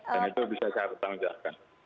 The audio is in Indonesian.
dan itu bisa saya pertanggungjawabkan